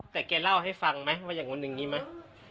แต่แกเล่าให้ฟังไหมว่าอย่างนู้นอย่างนี้ไหม